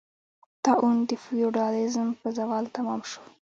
طاعون د فیوډالېزم په زوال تمام شو.